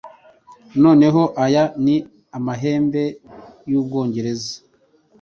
Noneho aya ni amahembe y'Ubwongereza